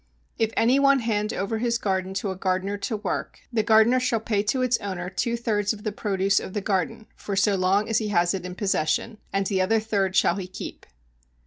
If any one hand over his garden to a gardener to work, the gardener shall pay to its owner two thirds of the produce of the garden, for so long as he has it in possession, and the other third shall he keep.